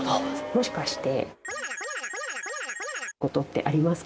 もしかして。